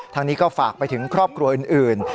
ทางนี้ก็ฝากไปถึงครอบครัวอื่น